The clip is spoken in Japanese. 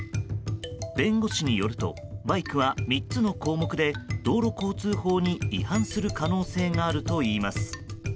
弁護士によるとバイクは３つの項目で道路交通法に違反する可能性があるとしています。